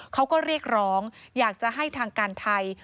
เขาก็เรียกร้องอยากจะให้ทางการไทย